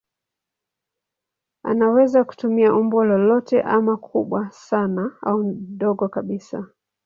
Anaweza kutumia umbo lolote ama kubwa sana au dogo kabisa.